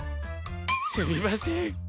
すみません。